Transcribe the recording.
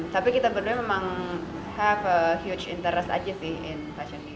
tapi kita berdua memang have a huge interest aja sih